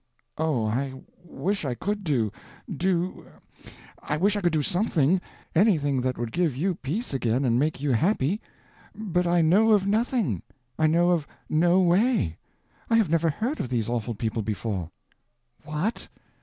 "Oh, I wish I could do—do—I wish I could do something, anything that would give you peace again and make you happy; but I know of nothing—I know of no way. I have never heard of these awful people before." "What?